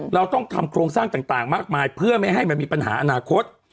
เราต้องทำโครงสร้างต่างมากมายเพื่อไม่ให้มันมีปัญหาอนาคต